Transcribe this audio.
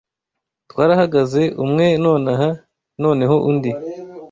twarahagaze, umwe nonaha, Noneho undi